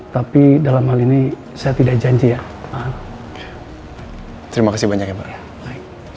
tapi dalam hal ini saya tidak janji ya terima kasih banyak ya pak